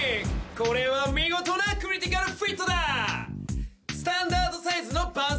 これは見事なクリティカルフィットだ！